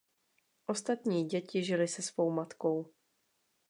Ostatní děti žily se svou matkou.